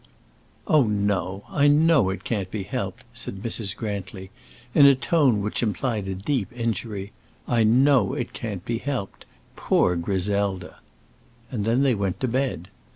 "Oh, no: I know it can't be helped," said Mrs. Grantly, in a tone which implied a deep injury. "I know it can't be helped. Poor Griselda!" And then they went to bed.